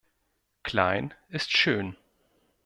Klein ist schön.